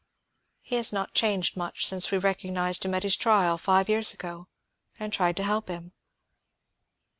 He has not changed much since we recognized him at his trial, five years ago, and tried to help him."